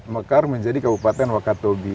mekar menjadi kabupaten wakatobi